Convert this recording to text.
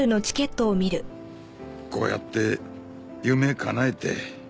こうやって夢かなえて。